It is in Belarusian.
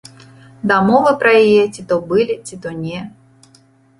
Дамовы пра яе ці то былі, ці то не.